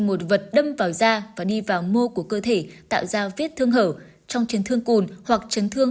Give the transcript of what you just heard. một vật đâm vào da và đi vào mô của cơ thể tạo ra vết thương hở trong chấn thương cùn hoặc chấn thương